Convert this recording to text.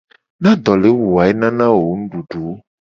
Ne ado le wu wo a enana wo nududu.